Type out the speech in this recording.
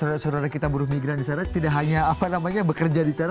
mereka reka saudara saudara kita burung migran di sana tidak hanya apa namanya bekerja di sana